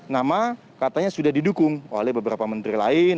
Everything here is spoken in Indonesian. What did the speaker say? nama katanya sudah didukung oleh beberapa menteri lain